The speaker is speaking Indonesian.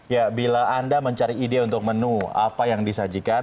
ya bila anda mencari ide untuk menu apa yang disajikan